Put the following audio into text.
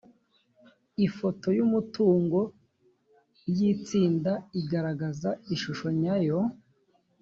ifoto y umutungo y itsinda igaragaza ishusho nyayo